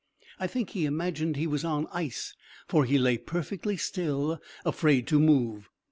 I think he imagined he was on ice, for he lay perfectly still, afraid to move.